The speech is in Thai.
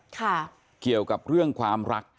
เกี่ยวกับเรื่องความรัก